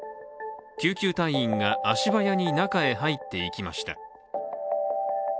救急隊員が足早に中へ入っていきました。